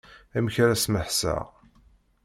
Amek ara smeḥseɣ.